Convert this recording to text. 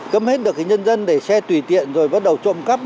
cấm hết được cái nhân dân để xe tùy tiện rồi bắt đầu trộm cắp